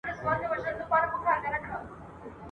په خپل ژوند یې د ښار مخ نه وو لیدلی ..